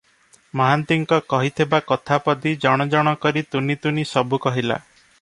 ମହାନ୍ତିଙ୍କ କହିଥିବା କଥା ପଦୀ ଜଣ ଜଣ କରି ତୁନି ତୁନି ସବୁ କହିଲା ।